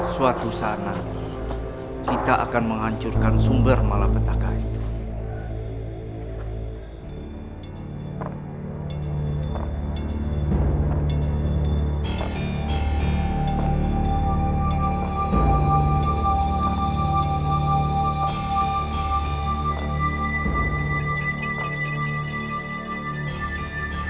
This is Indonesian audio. suatu saat nanti kita akan menghancurkan sumber malapetaka itu